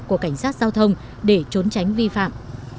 cảnh sát giao thông để trốn tránh vi phạm